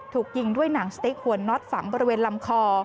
ถูกยิงด้วยหนังสติ๊กหัวน็อตฝังบริเวณลำคอ